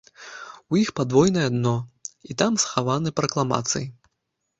У іх падвойнае дно, і там схаваны пракламацыі.